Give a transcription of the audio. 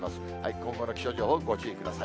今後の気象情報、ご注意ください。